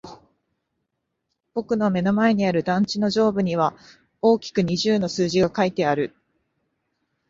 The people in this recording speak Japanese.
僕の目の前にある団地の上部には大きく二十の数字が書いてある。